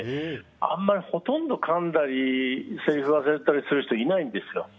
あんまり、ほとんどかんだり、せりふを忘れたりする人がいないんですよ。